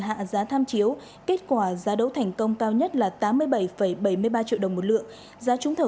hạ giá tham chiếu kết quả giá đấu thành công cao nhất là tám mươi bảy bảy mươi ba triệu đồng một lượng giá trúng thầu